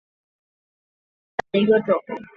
宝岛套叶兰为兰科套叶兰属下的一个种。